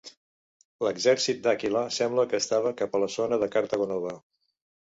L'exèrcit d'Àquila sembla que estava cap a la zona de Cartago Nova.